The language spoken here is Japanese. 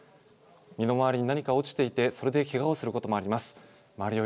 身の回りに何か落ちていてそれで、けがをすることもあります。